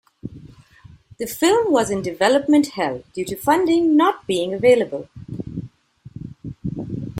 The film was in development hell due to funding not being available.